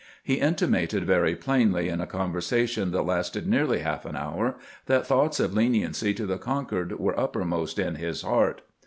He intimated very plainly, in a conversation that lasted nearly haH an hour, that thoughts of leniency to the conquered were uppermost in his heart.